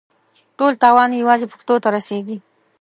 ټول تاوان یې یوازې پښتنو ته رسېږي.